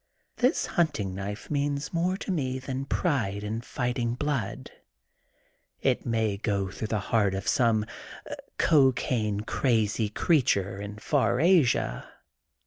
... This hunting knife means more to me than pride in fighting blood. It may go through the heart of some cocaine crazy crea ture in far Asia.